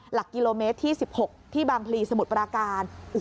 หลักกิโลเมตรที่๑๖ที่บางพลีสมุทรปราการ